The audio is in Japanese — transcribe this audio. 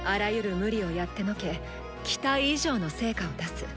「ムリ」をやってのけ期待以上の成果を出す。